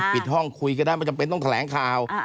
ปิดห้องคุยกันได้ไม่จำเป็นต้องแถลงข่าว